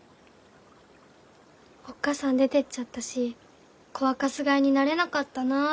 おっ母さん出てっちゃったし「子はかすがい」になれなかったなって。